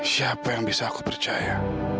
siapa yang bisa aku percaya